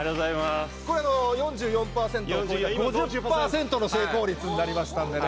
これ、４４％を超えて５０％の成功率になりましたんでね。